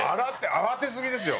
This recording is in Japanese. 慌てすぎですよ。